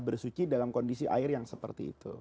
bersuci dalam kondisi air yang seperti itu